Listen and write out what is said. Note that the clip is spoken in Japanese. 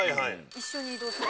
一緒に移動する。